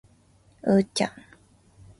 うーちゃん